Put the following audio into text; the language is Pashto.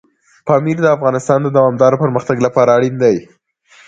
پامیر د افغانستان د دوامداره پرمختګ لپاره اړین دي.